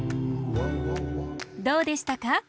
どうでしたか？